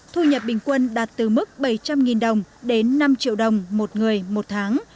thu nhập bình quân đạt từ mức bảy trăm linh đồng đến năm triệu đồng một người một tháng